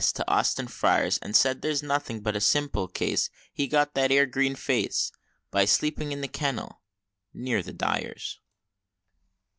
to Austin Friars, And says there's nothing but a simple case He got that 'ere green face By sleeping in the kennel near the Dyer's!"